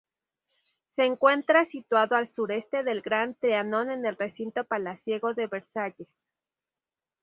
Se encuentra situado al sur-este del Gran Trianón en el recinto palaciego de Versalles.